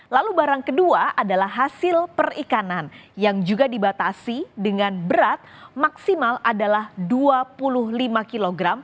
lalu barang kedua adalah hasil perikanan yang juga dibatasi dengan berat maksimal adalah dua puluh lima kg